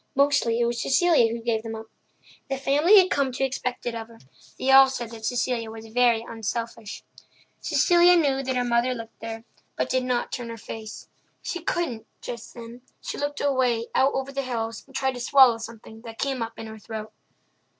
Mostly it was Cecilia who gave them up. The family had come to expect it of her; they all said that Cecilia was very unselfish. Cecilia knew that her mother looked at her, but did not turn her face. She couldn't, just then; she looked away out over the hills and tried to swallow something that came up in her throat.